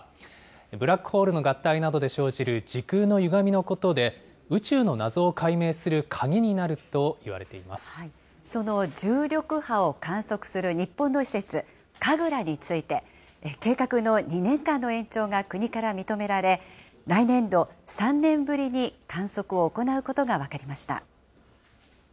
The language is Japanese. ブラックホールの合体などで生じる時空のゆがみのことで、宇宙の謎を解明する鍵になるといわれてその重力波を観測する日本の施設、ＫＡＧＲＡについて、計画の２年間の延長が国から認められ、来年度、３年ぶりに観測を行うことが分かりました。